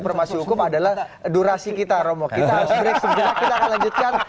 informasi hukum adalah durasi kita romo kita harus break sebentar kita akan lanjutkan